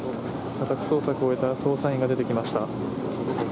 家宅捜索を終えた捜査員が出てきました。